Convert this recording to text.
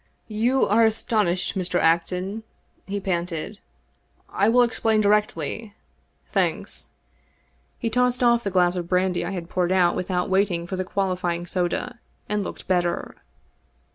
" You are astonished, Mr. Acton," he panted. " I will explain directly. Thanks." He tossed off the glass of brandy I had poured out without waiting for the qualifying soda, and looked better.